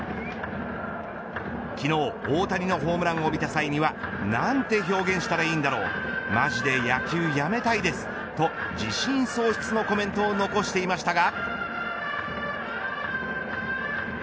昨日大谷のホームランを見た際にはなんて表現したらいいんだろうまじで野球辞めたいですと自信喪失のコメントを残していましたが。